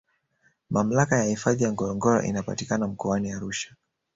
Mamlaka ya hifadhi ya Ngorongoro inapatikana mkoani Arusha